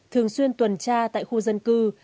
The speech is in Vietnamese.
thường xuyên tuần tra tại khu dân cư